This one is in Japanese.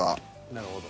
なるほど。